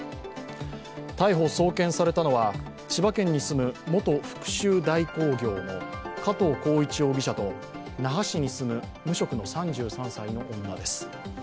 逮捕・送検されたのは千葉県に住む元復しゅう代行業の加藤孝一容疑者と那覇市に住む無職の３３歳の女です。